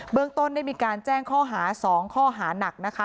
เมืองต้นได้มีการแจ้งข้อหา๒ข้อหานักนะคะ